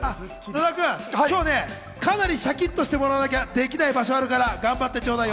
野田君、今日ね、かなりシャキッとしてもらわなきゃできない場所あるから頑張ってちょうだい。